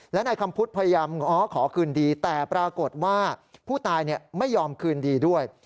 และนายคำพุทธพยายามง้อขอคืนดีแต่ปรากฏว่าผู้ตายไม่ยอมคืนดีด้วย